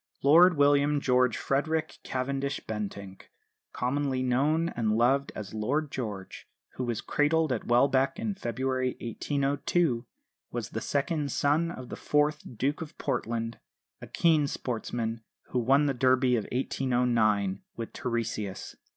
Lord William George Frederick Cavendish Bentinck, commonly known and loved as "Lord George," who was cradled at Welbeck in February 1802, was the second son of the fourth Duke of Portland, a keen sportsman who won the Derby of 1809 with Teresias.